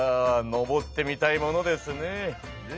登ってみたいものですね。